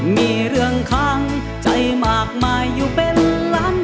มีเรื่องค้างใจมากมายอยู่เป็นล้าน